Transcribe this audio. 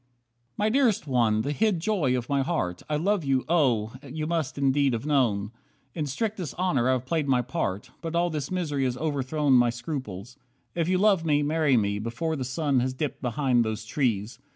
40 "My Dearest One, the hid joy of my heart! I love you, oh! you must indeed have known. In strictest honour I have played my part; But all this misery has overthrown My scruples. If you love me, marry me Before the sun has dipped behind those trees.